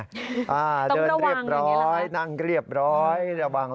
ต้องระวังอย่างนี้ละคะต้องระวังนั่งเรียบร้อยระวัง